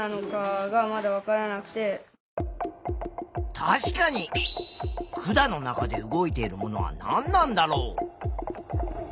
確かに管の中で動いているものは何なんだろう？